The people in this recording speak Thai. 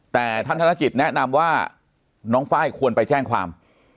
แต่ท่านธนกิจแนะนำว่าน้องไฟล์ควรไปแจ้งความ